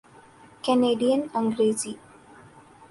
Canadian Angrezi